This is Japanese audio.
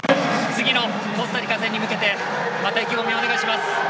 次のコスタリカ戦に向けてまた意気込みをお願いします。